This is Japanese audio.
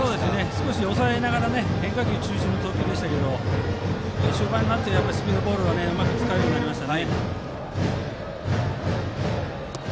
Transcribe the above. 少し抑えながら変化球中心の投球でしたが終盤になってスピードボールがうまく使えるようになりました。